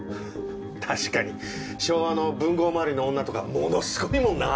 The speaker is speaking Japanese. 確かに昭和の文豪周りの女とかものすごいもんなぁ。